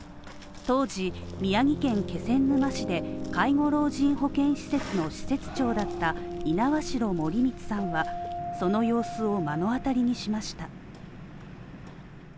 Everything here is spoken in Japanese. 当時、宮城県気仙沼市で介護老人保健施設の施設長だった猪苗代盛光さんはその様子を目の当たりにしました。